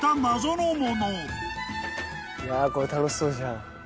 いやこれ楽しそうじゃん。